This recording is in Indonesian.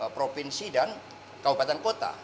provinsi dan kabupaten kota